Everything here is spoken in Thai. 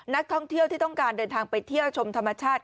นักท่องเที่ยวที่ต้องการเดินทางไปเที่ยวชมธรรมชาติ